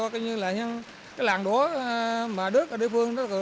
cho làng đũa đứt ở địa phương